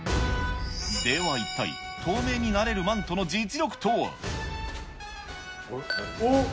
では一体、透明になれるマントのおっ。